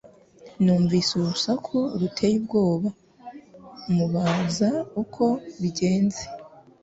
Numvise urusaku ruteye ubwoba, mubaza uko bigenda